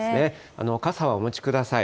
傘はお持ちください。